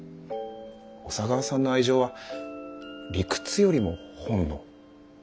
小佐川さんの愛情は理屈よりも本能。